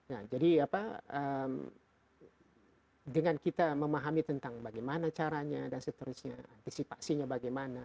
nah jadi apa dengan kita memahami tentang bagaimana caranya dan seterusnya antisipasinya bagaimana